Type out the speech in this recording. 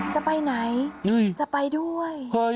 จะไปไหนจะไปด้วย